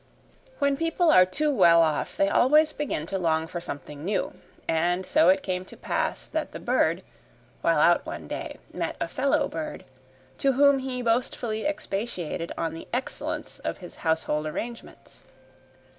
When people are too well off they always begin to long for something new. And so it came to pass, that the bird, while out one day, met a fellow bird, to whom he boastfully expatiated on the excellence of his household arrangements.